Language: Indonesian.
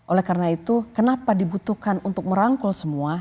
oleh karena itu kenapa dibutuhkan untuk merangkul semua